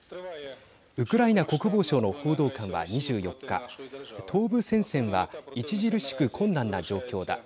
ウクライナ国防省の報道官は２４日東部戦線は著しく困難な状況だ。